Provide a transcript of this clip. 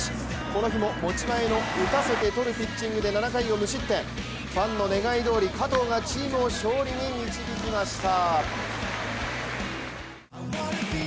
この日も持ち前の打たせて取るピッチングで７回を無失点ファンの願いどおり、加藤がチームを勝利に導きました。